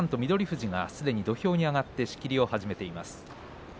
富士がすでに土俵に上がって仕切りを始めています。